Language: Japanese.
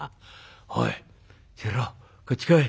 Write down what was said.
おいシロこっち来い。